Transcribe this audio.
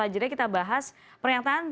jeda kita bahas pernyataan